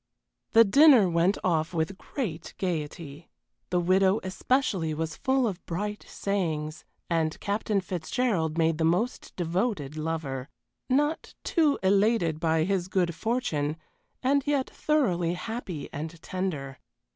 The dinner went off with great gayety. The widow especially was full of bright sayings, and Captain Fitzgerald made the most devoted lover. Not too elated by his good fortune, and yet thoroughly happy and tender.